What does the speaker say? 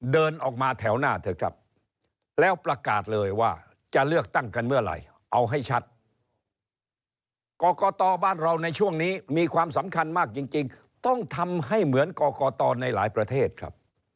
เดินออกมาแถวหน้า